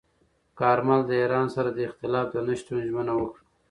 کارمل د ایران سره د اختلاف د نه شتون ژمنه وکړه.